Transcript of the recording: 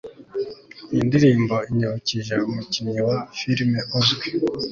Iyo ndirimbo inyibukije umukinnyi wa firime uzwi